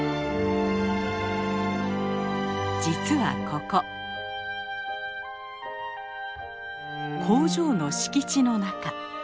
実はここ工場の敷地の中。